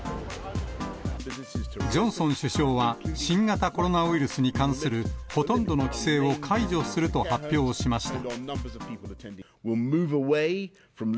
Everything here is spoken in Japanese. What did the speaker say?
ジョンソン首相は、新型コロナウイルスに関するほとんどの規制を解除すると発表しました。